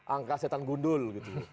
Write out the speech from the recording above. angka setan gundul gitu